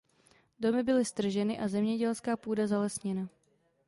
Domy byly strženy a zemědělská půda zalesněna.